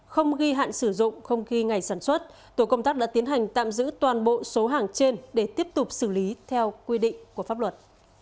không ghi hạn sử dụng không ghi ngày sản xuất tổ công tác đã tiến hành tạm giữ toàn bộ số hàng trên để tiếp tục xử lý theo quy định của pháp luật